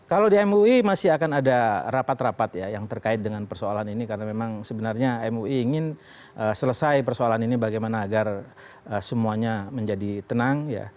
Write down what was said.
kalau di mui masih akan ada rapat rapat ya yang terkait dengan persoalan ini karena memang sebenarnya mui ingin selesai persoalan ini bagaimana agar semuanya menjadi tenang